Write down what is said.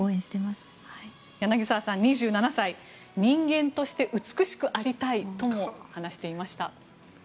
柳澤さん２７歳人間として美しくありたいと話していました。